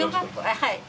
はい。